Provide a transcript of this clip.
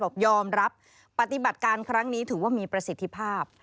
ยอมรับปฏิบัติการครั้งนี้ถือว่ามีประสิทธิภาพ